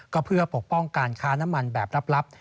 ก็เพื่อปกป้องการค้าน้ำมันแบบลับ